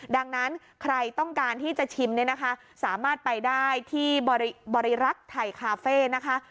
ดังนั้นใครต้องการที่จะชิมเนี่ยนะคะสามารถไปได้ที่บริรักษ์ไทยคาเฟ่นะคะ